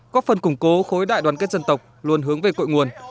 có phần củng cố khối đại đoàn kết dân tộc luôn hướng về cội nguồn